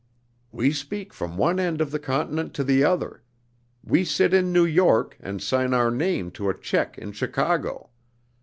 We speak from one end of the continent to the other. We sit in New York and sign our name to a check in Chicago.